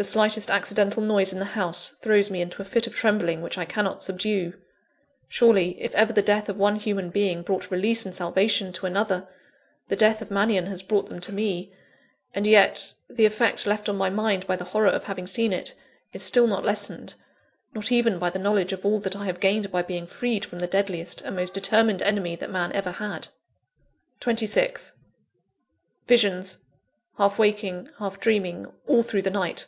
The slightest accidental noise in the house, throws me into a fit of trembling which I cannot subdue. Surely, if ever the death of one human being brought release and salvation to another, the death of Mannion has brought them to me; and yet, the effect left on my mind by the horror of having seen it, is still not lessened not even by the knowledge of all that I have gained by being freed from the deadliest and most determined enemy that man ever had. 26th. Visions half waking, half dreaming all through the night.